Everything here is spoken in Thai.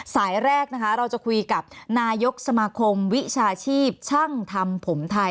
สายแรกนะคะเราจะคุยกับนายกสมาคมวิชาชีพช่างทำผมไทย